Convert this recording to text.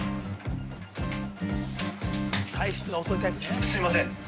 ◆すいません